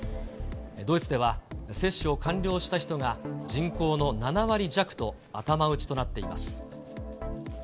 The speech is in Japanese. ドイツでは、接種を完了した人が人口の７割弱と頭打ちとなっています。